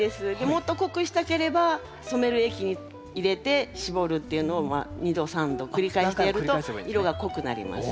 もっと濃くしたければ染める液入れてしぼるっていうのを２度３度繰り返してやると色が濃くなります。